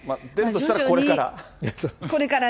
出るとしたらこれから？